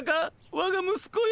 わが息子よ。